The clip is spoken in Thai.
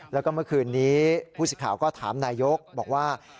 แล้วก็เมื่อคืนนี้ผู้สิทธิ์ข่าวก็ถามนายกบอกว่า